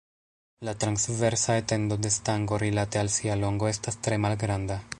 La transversa etendo de stango rilate al sia longo estas tre malgranda.